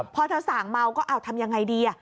พอเธอสั่งเมาก็เอาทำยังไงดี